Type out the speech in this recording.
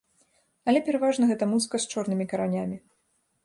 Але пераважна гэта музыка з чорнымі каранямі.